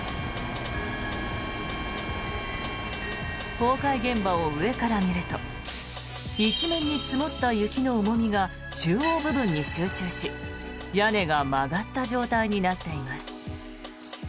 崩壊現場を上から見ると一面に積もった雪の重みが中央部分に集中し屋根が曲がった状態になっています。